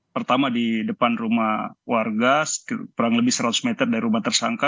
pertama di depan rumah warga kurang lebih seratus meter dari rumah tersangka